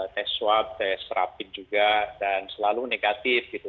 tes swab tes rapid juga dan selalu negatif gitu